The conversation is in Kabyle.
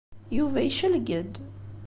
Yuba yecleg-d.